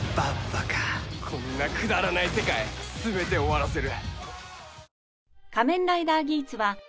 こんなくだらない世界全て終わらせる！